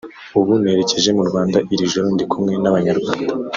ubu nerekeje mu Rwanda…Iri joro ndi kumwe n’Abanyarwanda”